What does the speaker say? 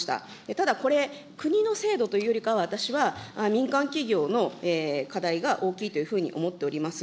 ただこれ、国の制度というよりかは、私は民間企業の課題が大きいというふうに思っております。